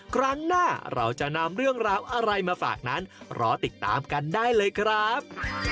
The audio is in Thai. ครั้งหน้าเราจะนำเรื่องราวอะไรมาฝากนั้นรอติดตามกันได้เลยครับ